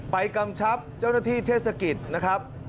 กำชับเจ้าหน้าที่เทศกิจนะครับ